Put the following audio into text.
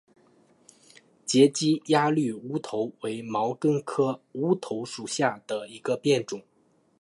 截基鸭绿乌头为毛茛科乌头属下的一个变种。